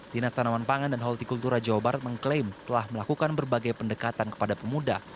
dinas tanaman pangan dan holti kultura jawa barat mengklaim telah melakukan berbagai pendekatan kepada pemuda